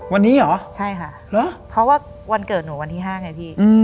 วันนี้เหรอใช่ค่ะเหรอเพราะว่าวันเกิดหนูวันที่๕ไงพี่